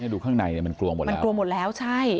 ดูข้างในเนี่ยมันกลัวหมดแล้วมันกลัวหมดแล้วใช่